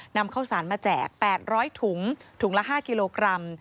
นำข้าวสารมาแจก๘๐๐ถุงถุงละ๕กิโลกรัม